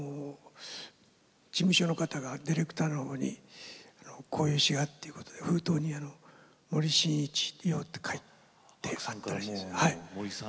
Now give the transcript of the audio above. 事務所の方がディレクターのほうにこういう詞がっていうことで封筒に「森進一用」って書いてあったらしいです。